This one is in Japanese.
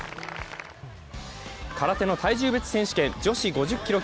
空手の体重別選手権、女子５０キロ